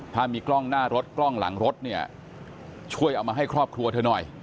ถ้ามีกล้องหน้ารถกล้องหลังรถเนี่ยช่วยเอามาให้ครอบครัวเธอหน่อย